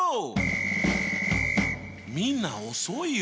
みんな遅いよ。